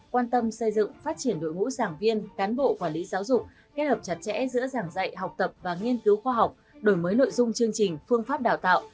quan tâm xây dựng phát triển đội ngũ giảng viên cán bộ quản lý giáo dục kết hợp chặt chẽ giữa giảng dạy học tập và nghiên cứu khoa học đổi mới nội dung chương trình phương pháp đào tạo